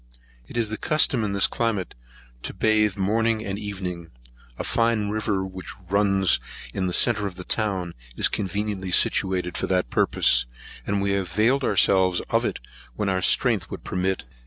It is the custom, in this climate, to bathe morning and evening. A fine river, which runs in the centre of the town, is conveniently situated for that purpose; and we availed ourselves of it when our strength would permit.